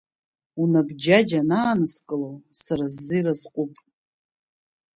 Унап џьаџьа анааныскыло, сара сзы иразҟуп.